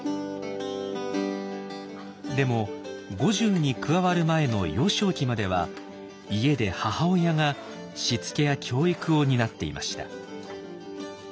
でも郷中に加わる前の幼少期までは家で母親がしつけや教育を担っていました。